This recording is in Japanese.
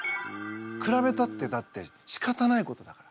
くらべたってだってしかたないことだから。